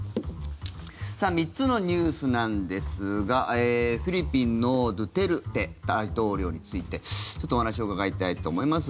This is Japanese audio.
３つのニュースなんですがフィリピンのドゥテルテ大統領についてちょっとお話を伺いたいと思います。